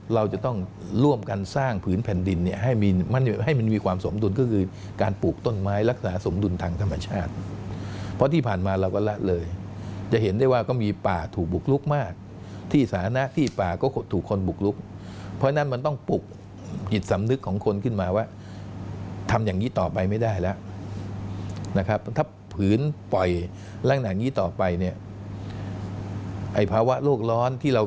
เราจะต้องร่วมกันสร้างผืนแผ่นดินเนี่ยให้มีมั่นให้มันมีความสมดุลก็คือการปลูกต้นไม้ลักษณะสมดุลทางธรรมชาติเพราะที่ผ่านมาเราก็ละเลยจะเห็นได้ว่าก็มีป่าถูกบุกลุกมากที่สาธารณะที่ป่าก็ถูกคนบุกลุกเพราะฉะนั้นมันต้องปลุกจิตสำนึกของคนขึ้นมาว่าทำอย่างนี้ต่อไปไม่ได้แล้วนะครับถ้าผืนปล่อยลักษณะอย่างนี้ต่อไปเนี่ยไอ้ภาวะโลกร้อนที่เรา